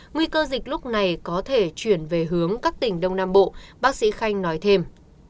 nguy cơ dịch lúc này có thể chuyển về hướng các tỉnh đông nam bộ bác sĩ khanh nói thêm